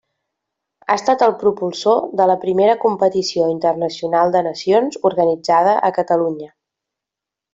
Ha estat el propulsor de la primera competició internacional de nacions organitzada a Catalunya.